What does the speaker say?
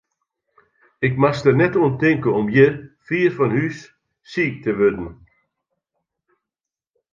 Ik moast der net oan tinke om hjir, fier fan hús, siik te wurden.